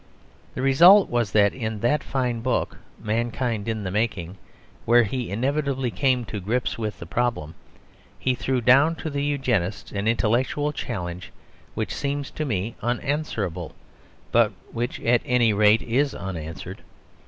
The result was that in that fine book, "Mankind in the Making," where he inevitably came to grips with the problem, he threw down to the Eugenists an intellectual challenge which seems to me unanswerable, but which, at any rate, is unanswered.